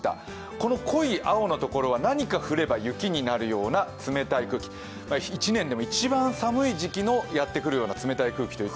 この濃い青の所は何か降れば雪になるような冷たい空気、１年でも一番寒い時期にやってくるような冷たい空気です。